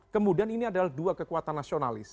kemudian ini adalah dua kekuatan nasionalis